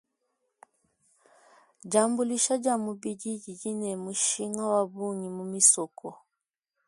Diambuluisha dia mubidi didi ne mushinga wa bungi mu misoko.